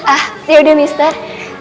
ah yaudah mister